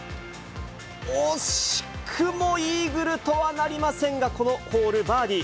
惜しくもイーグルとはなりませんが、このホール、バーディー。